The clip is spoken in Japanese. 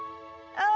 ああ。